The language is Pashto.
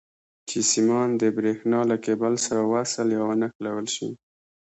چې سیمان د برېښنا له کیبل سره وصل یا ونښلول شي.